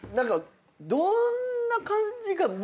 どんな感じか。